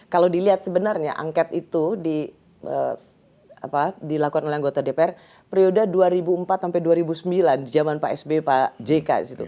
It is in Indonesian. kalau dilihat sebenarnya angket itu dilakukan oleh anggota dpr periode dua ribu empat sampai dua ribu sembilan di zaman pak sby pak jk